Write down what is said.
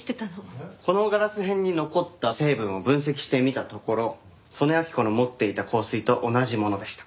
このガラス片に残った成分を分析してみたところ曽根明子の持っていた香水と同じものでした。